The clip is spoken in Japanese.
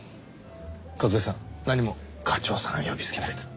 和江さん何も課長さん呼びつけなくても。